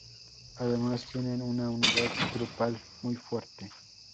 Además tienen una unidad grupal muy fuerte.